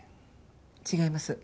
違います。